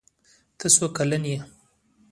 ته څو کلن یې؟